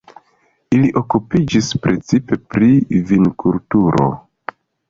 Ili okupiĝis precipe pri vinkulturo.